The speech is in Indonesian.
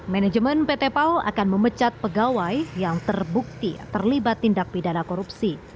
manajemen pt pal akan memecat pegawai yang terbukti terlibat tindak pidana korupsi